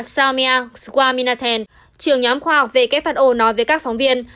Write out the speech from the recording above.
soumya swaminathan trưởng nhóm khoa học who nói với các phóng viên